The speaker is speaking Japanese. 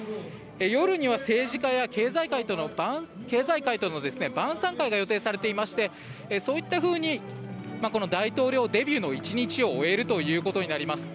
夜には政治家や経済界との晩さん会が予定されていましてそういったふうにこの大統領デビューの１日を終えるということになります。